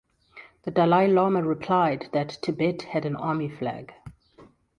The Dalai Lama replied that Tibet had an army flag.